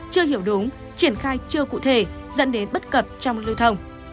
chưa hiểu đúng triển khai chưa cụ thể dẫn đến bất cập trong lưu thông